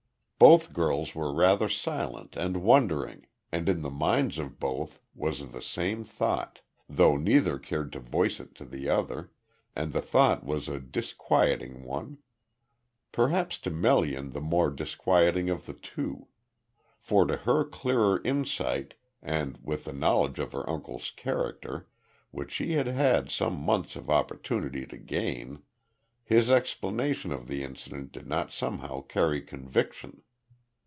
Both girls were rather silent and wondering, and in the minds of both was the same thought, though neither cared to voice it to the other, and the thought was a disquieting one; perhaps to Melian the more disquieting of the two. For to her clearer insight, and with the knowledge of her uncle's character, which she had had some months of opportunity to gain, his explanation of the incident did not somehow carry conviction.